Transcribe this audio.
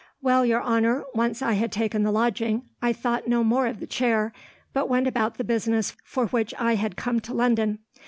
"Well, your honour, once I had taken the lodging, I thought no more of the chair, but went about the business for which I had come to London.